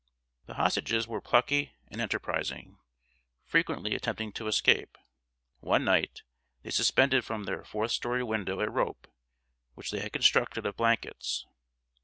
The hostages were plucky and enterprising, frequently attempting to escape. One night they suspended from their fourth story window a rope which they had constructed of blankets.